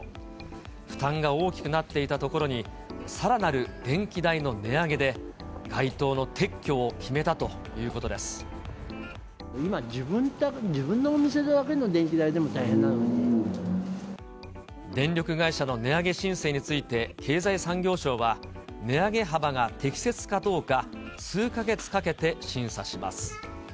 負担が大きくなっていたところに、さらなる電気代の値上げで、街灯の撤去を決めたということで今、自分のお店だけの電気代電力会社の値上げ申請について経済産業省は、値上げ幅が適切かどうか、数か月かけて審査します。